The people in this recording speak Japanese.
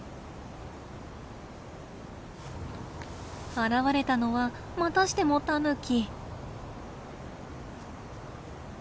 現れたのはまたしてもタヌキ！